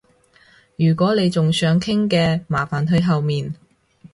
如果你仲想傾嘅，麻煩去後面